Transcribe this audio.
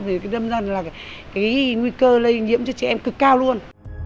thì cái rác dân là cái nguy cơ lây nhiễm cho chị em cực cao luôn